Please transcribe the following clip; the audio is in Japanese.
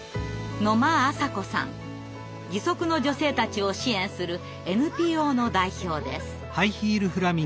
義足の女性たちを支援するＮＰＯの代表です。